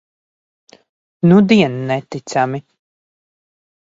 Nudien neticami.